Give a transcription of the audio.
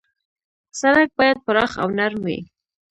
سړک باید پراخ او نرم وي.